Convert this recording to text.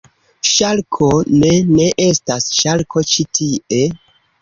Ŝarko? Ne. Ne estas ŝarko ĉi tie!